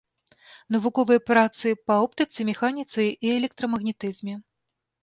Навуковыя працы па оптыцы, механіцы і электрамагнетызме.